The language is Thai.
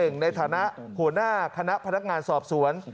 ในฐานะหัวหน้าคณะพนักงานสอบสวน